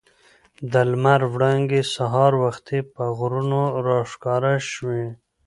د لمر وړانګې سهار وختي پر غرو راښکاره شوې.